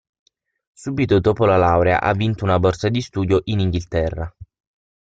Subito dopo la laurea ha vinto una borsa di studio in Inghilterra.